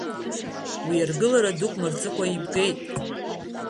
Уи аргылара дук мырҵыкәа ибгеит.